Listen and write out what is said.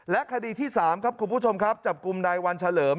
คดีที่๓ครับคุณผู้ชมครับจับกลุ่มนายวันเฉลิม